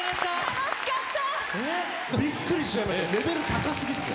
楽しかった！